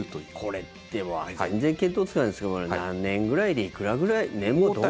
これ全然見当つかないですけど何年ぐらいで、いくらぐらい年俸どれぐらい。